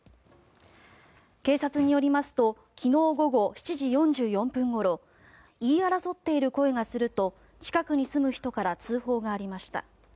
警察によりますと昨日午後７時４４分ごろ言い争っている声がすると近くに住む人から通報がありました。